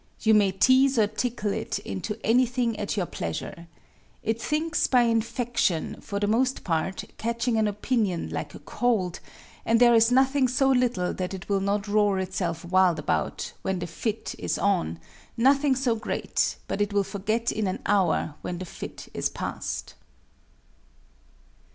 You may tease or tickle it into anything at your pleasure. It thinks by infection, for the most part, catching an opinion like a cold, and there is nothing so little that it will not roar itself wild about, when the fit is on, nothing so great but it will forget in an hour when the fit is past."